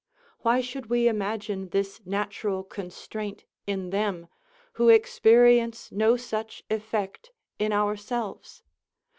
Why should we imagine this natural constraint in them, who experience no such effect in ourselves?